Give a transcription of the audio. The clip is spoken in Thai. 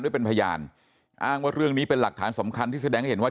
เป็นพยานอ้างว่าเรื่องนี้เป็นหลักฐานสำคัญที่แสดงให้เห็นว่า